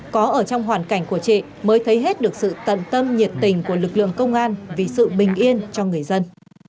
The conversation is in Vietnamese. có ở trong hoàn cảnh của chị mới thấy hết được sự tận tâm nhiệt tình của lực lượng công an vì sự bình yên cho người dân